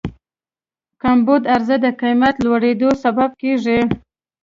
کمبود عرضه د قیمت لوړېدو سبب کېږي.